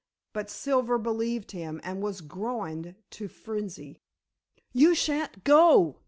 But Silver believed him and was goaded to frenzy. "You shan't go!"